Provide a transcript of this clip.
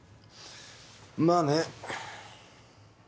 まあね。